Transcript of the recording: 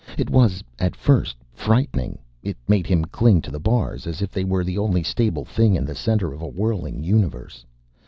It was, at first, frightening. It made him cling to the bars as if they were the only stable thing in the center of a whirling universe.